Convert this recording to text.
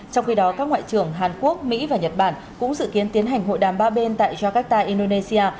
trong khi đó các ngoại trưởng hàn quốc mỹ và nhật bản cũng dự kiến tiến hành hội đàm ba bên tại jakarta indonesia